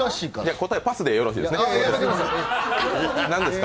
答え、パスでよろしいですか？